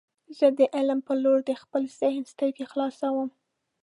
زه د علم په لور د خپل ذهن سترګې خلاصوم.